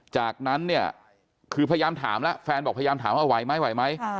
จากนั้นเนี่ยคือพยายามถามแล้วแฟนบอกพยายามถามว่าไหวไหมไหวไหม